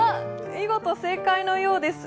見事正解のようです。